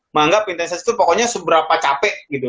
menganggap intensitas itu pokoknya seberapa capek gitu